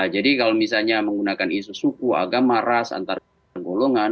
jadi kalau misalnya menggunakan isu suku agama ras antara golongan